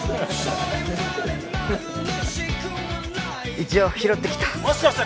一応拾ってきた。